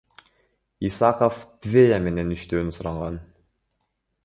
Исаков ТВЕА менен иштөөнү суранган.